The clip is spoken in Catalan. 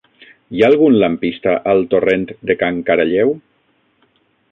Hi ha algun lampista al torrent de Can Caralleu?